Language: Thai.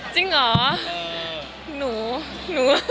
จริงเหรอ